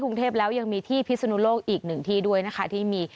กรุงเทพแล้วยังมีที่พิศนุโลกอีกหนึ่งที่ด้วยนะคะที่มี